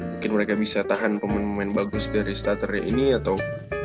mungkin mereka bisa tahan pemain pemain bagus dari starternya ini atau